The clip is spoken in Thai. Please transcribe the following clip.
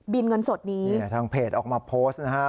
บินเงินสดนี้ทางเพจออกมาโพสต์นะฮะ